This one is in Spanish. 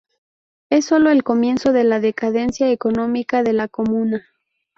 Es solo el comienzo de la decadencia económica de la comuna.